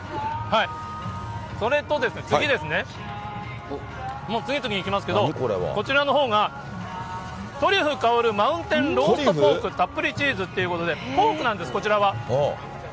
それと次ですね、もう、次々いきますけど、こちらのほうがトリュフ香るマウンテンローストポークたっぷりチーズっていうことで、ポークなんです、こちらは。